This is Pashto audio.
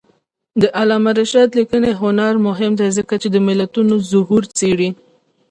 د علامه رشاد لیکنی هنر مهم دی ځکه چې ملتونو ظهور څېړي.